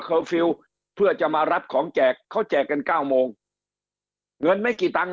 คอร์ฟิลเพื่อจะมารับของแจกเขาแจกกัน๙โมงเงินไม่กี่ตังค์